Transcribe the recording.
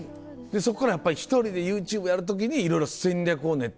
そこからやっぱり１人でＹｏｕＴｕｂｅやる時にいろいろ戦略を練ったんだ。